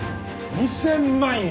２０００万円！？